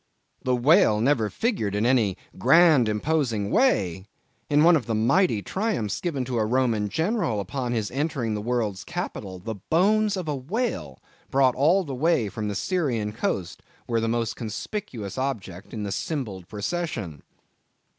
The whale never figured in any grand imposing way? In one of the mighty triumphs given to a Roman general upon his entering the world's capital, the bones of a whale, brought all the way from the Syrian coast, were the most conspicuous object in the cymballed procession.